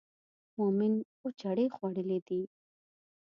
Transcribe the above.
مومن اووه چړې خوړلې دي.